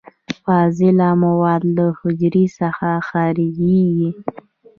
فاضله مواد له حجرې څخه خارجیږي.